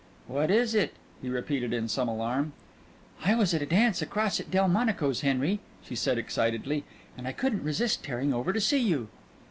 "What is it?" he repeated in some alarm. "I was at a dance across at Delmonico's, Henry," she said excitedly, "and I couldn't resist tearing over to see you."